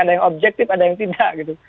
ada yang objektif ada yang tidak gitu